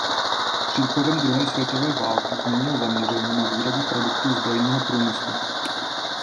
S příchodem druhé světové války změnil zaměření na výrobu produktů zbrojního průmyslu.